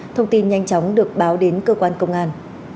thông tin nhanh chóng được báo đến cơ quan công an